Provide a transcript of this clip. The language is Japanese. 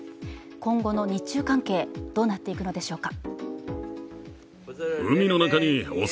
今後の日中関係、どうなっていくのでしょうか。